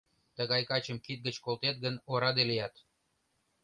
Тыгай качым кид гыч колтет гын, ораде лият...